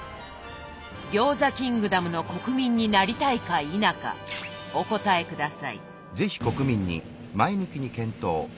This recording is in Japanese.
餃子キングダムの国民になりたいか否かお答え下さい。